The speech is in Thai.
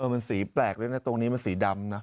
มันสีแปลกด้วยนะตรงนี้มันสีดำนะ